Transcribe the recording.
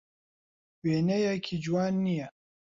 وێنەیەکی جوان نییە.